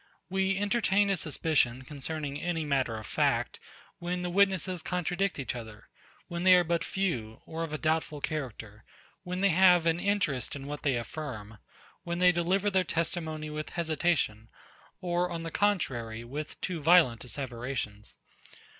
We entertain a suspicion concerning any matter of fact, when the witnesses contradict each other; when they are but few, or of a doubtful character; when they have an interest in what they affirm; when they deliver their testimony with hesitation, or on the contrary, with too violent asseverations.